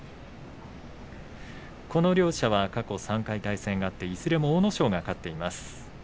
この両者は過去３回対戦があっていずれも阿武咲が勝っています。